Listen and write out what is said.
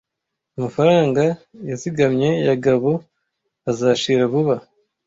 Amafaranga yazigamye ya Gabo azashira vuba.